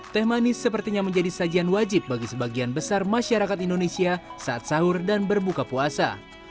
teh manis sepertinya menjadi sajian wajib bagi sebagian besar masyarakat indonesia saat sahur dan berbuka puasa